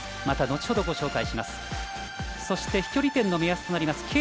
また後ほどご紹介します。